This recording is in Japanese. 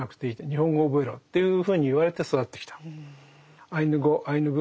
日本語を覚えろ」っていうふうに言われて育ってきた。